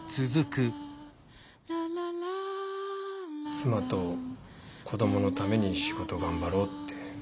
妻と子供のために仕事頑張ろうって。